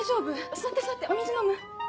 座って座ってお水飲む？